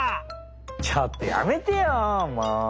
ちょっとやめてよもう！